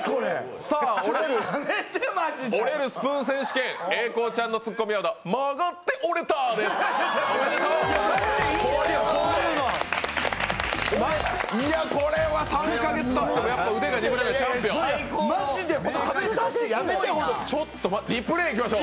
折れるスプーン選手権、英孝ちゃんのツッコミワード、「曲がって折れた！」でした。